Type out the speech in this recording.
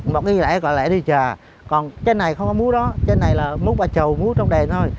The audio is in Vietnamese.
một cái lễ gọi lễ đi trà còn trên này không có múa đó trên này là múa bà trầu múa trong đèn thôi